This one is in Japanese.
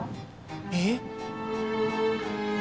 えっ？